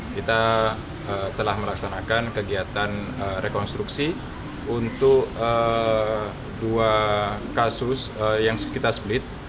kita telah melaksanakan kegiatan rekonstruksi untuk dua kasus yang kita sblit